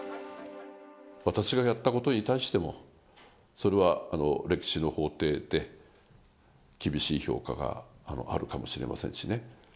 私がやったことに対しても、それは歴史の法廷で厳しい評価があるかもしれませんしね。